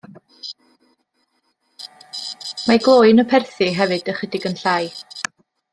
Mae glöyn y perthi, hefyd, ychydig yn llai.